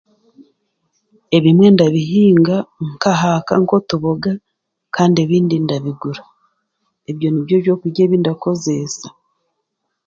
Ebimwe ndabihinga ah'aka nk'otuboga kandi ebindi ndabigura ebyo nibyo ebyokurya ebindakozeesa